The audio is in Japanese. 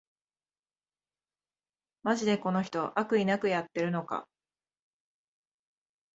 マジでこの人、悪意なくやってるのか